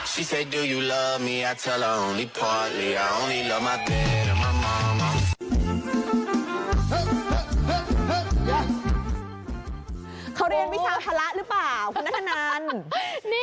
เขาเรียนวิชาภาระหรือเปล่าคุณนัทธนัน